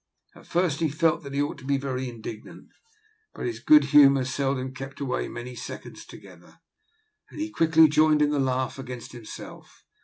At first he felt that he ought to be very indignant, but his good humour seldom kept away many seconds together, and he quickly joined in the laugh against himself.